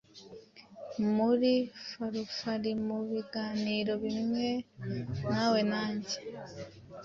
Muri farufarimubiganiro bimwe nawe na njye